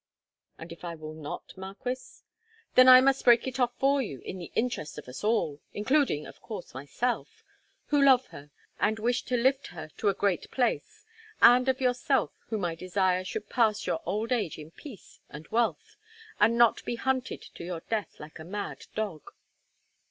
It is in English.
"And if I will not, Marquis?" "Then I must break it off for you in the interest of all of us, including, of course, myself, who love her, and wish to lift her to a great place, and of yourself, whom I desire should pass your old age in peace and wealth, and not be hunted to your death like a mad dog."